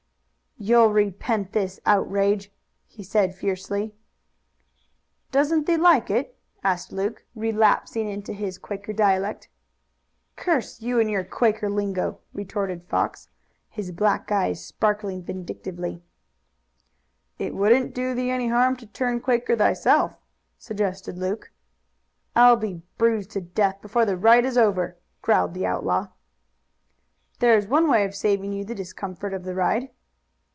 "You'll repent this outrage," he said fiercely. "Doesn't thee like it?" asked Luke, relapsing into his Quaker dialect. "Curse you and your Quaker lingo!" retorted Fox, his black eyes sparkling vindictively. "It wouldn't do thee any harm to turn Quaker thyself," suggested Luke. "I'll be bruised to death before the ride is over," growled the outlaw. "There is one way of saving you the discomfort of the ride."